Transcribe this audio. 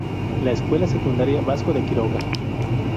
La escuela secundaria Vasco de Quiroga.